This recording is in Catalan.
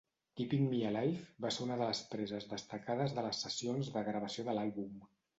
"Keeping Me Alive" va ser una de les preses descartades de les sessions de gravació de l'àlbum.